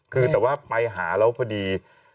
คือแต่ว่าไปหาแล้วพอดี